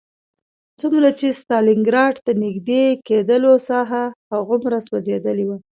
څومره چې ستالینګراډ ته نږدې کېدلو ساحه هغومره سوځېدلې وه